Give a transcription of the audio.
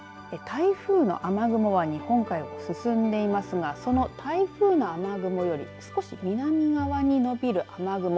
台風の雨雲は日本海を進んでいますがその台風の雨雲よりも少し南側にのびる雨雲